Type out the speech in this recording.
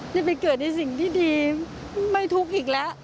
จะไปเกิดในสิ่งที่ดีไม่ทุกข์อีกแล้ว